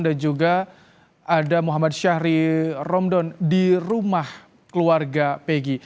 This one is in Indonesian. dan juga ada muhammad syahri romdon di rumah keluarga pg